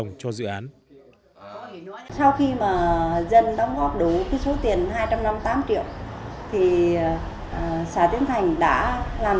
các hộ dân mới đóng đủ số tiền hai trăm năm mươi tám triệu đồng cho dự án